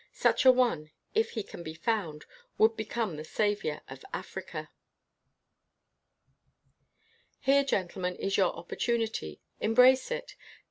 Such a one, if he can be found, would become the saviour of Africa. "Here, gentlemen, is your opportunity — embrace it!